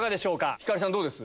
星さんどうです？